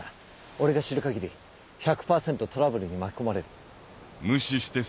俺が知る限り１００％トラブルに巻き込まれる。